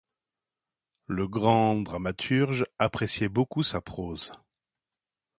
Le grand dramaturge appréciait beaucoup sa prose.